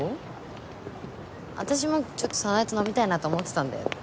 私もちょっと早苗と飲みたいなと思ってたんだよ